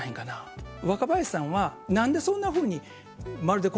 若林さんは何でそんなふうにまるで心